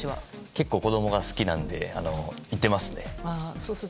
結構、子供が好きなので行っています。